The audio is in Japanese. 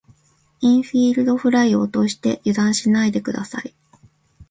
インフィールドフライを落として油断しないで下さい。